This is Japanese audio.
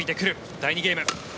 第２ゲーム。